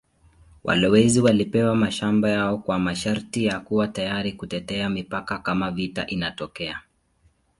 Walowezi walipewa mashamba yao kwa masharti ya kuwa tayari kutetea mipaka kama vita inatokea.